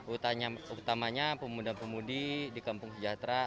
utamanya pemuda pemudi di kampung sejahtera